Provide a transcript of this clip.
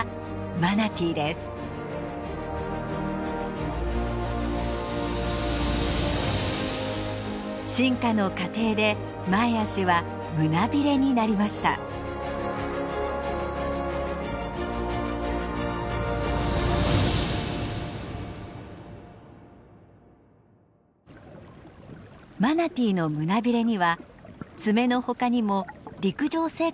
マナティーの胸びれには爪の他にも陸上生活をしていた時の名残があります。